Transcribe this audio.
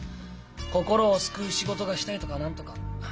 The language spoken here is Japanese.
心を救う仕事がしたいとか何とか。